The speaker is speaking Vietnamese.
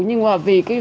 nhưng mà vì